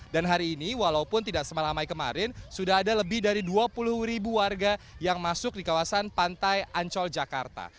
dan hari ini walaupun tidak semalamai kemarin sudah ada lebih dari dua puluh ribu warga yang masuk di kawasan pantai ancol jakarta